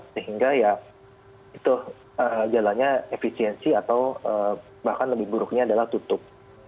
sehingga ya itu jalannya efisiensi atau bahkan lebih buruknya adalah tutup